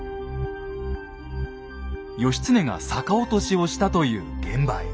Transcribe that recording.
義経が逆落としをしたという現場へ。